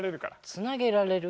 つなげられる？